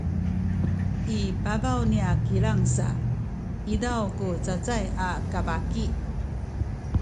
i pabaw niya kilang sa izaw ku cacay a kabaki